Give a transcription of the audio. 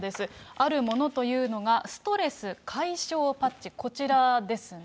あるものというのが、ストレス解消パッチ、こちらですね。